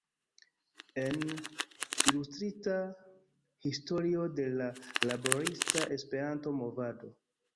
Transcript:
En: Ilustrita historio de la Laborista Esperanto-Movado.